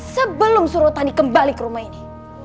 sebelum surotani kembali ke rumah ini